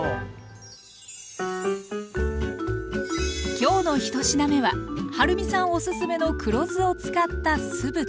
今日の１品目ははるみさんおすすめの黒酢を使った酢豚。